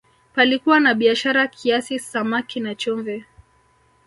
Palikuwa na biashara kiasi samaki na chumvi